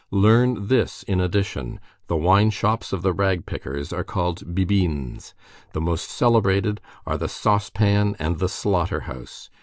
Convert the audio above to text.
Learn this in addition; the wineshops of the rag pickers are called bibines; the most celebrated are the Saucepan and The Slaughter House.